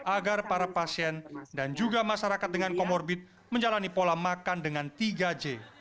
agar para pasien dan juga masyarakat dengan comorbid menjalani pola makan dengan tiga j